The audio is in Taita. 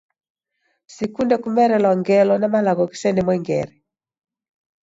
Sikunde kumerelwa ngelo na malagho ghisene mwengere.